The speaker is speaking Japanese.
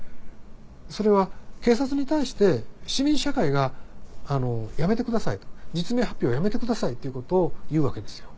それは警察に対して市民社会が「やめてください」と「実名発表をやめてください」っていうことを言うわけですよ。